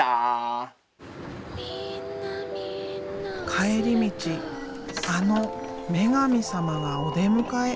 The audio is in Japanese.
帰り道あの女神様がお出迎え。